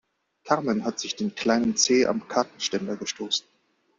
Carmen hat sich den kleinen Zeh am Kartenständer gestoßen.